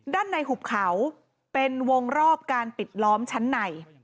ด้านในหุบเขาเป็นวงรอบการปิดล้อมชั้นใน